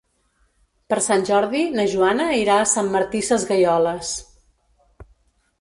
Per Sant Jordi na Joana irà a Sant Martí Sesgueioles.